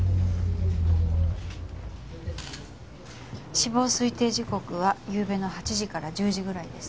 死亡推定時刻はゆうべの８時から１０時ぐらいです。